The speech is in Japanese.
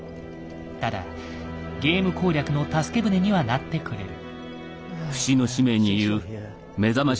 ただゲーム攻略の助け船にはなってくれる。